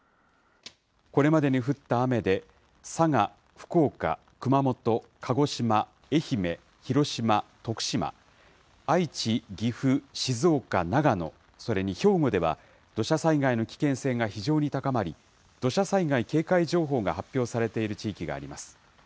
これまでに降った雨で、佐賀、福岡、熊本、鹿児島、愛媛、広島、徳島、愛知、岐阜、静岡、長野、それに兵庫では土砂災害の危険性が非常に高まり、土砂災害警戒情報が発表されている地域があります。